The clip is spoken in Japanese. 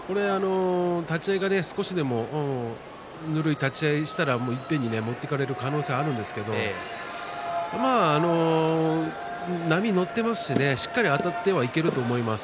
立ち合いが少しでもぬるい立ち合いをしたらいっぺんに持っていかれる可能性はあるんですけれど波に乗っていますししっかりあたってはいけると思います。